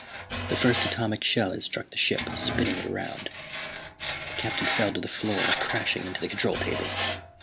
The first atomic shell had struck the ship, spinning it around. The Captain fell to the floor, crashing into the control table.